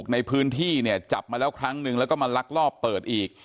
ในพื้นที่เนี่ยจับมาแล้วครั้งนึงแล้วก็มาลักลอบเปิดอีก